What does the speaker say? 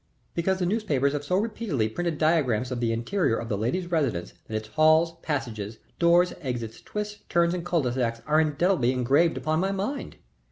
Because the newspapers have so repeatedly printed diagrams of the interior of the lady's residence that its halls, passages, doorways, exits, twists, turns, and culs de sac are indelibly engraved upon my mind.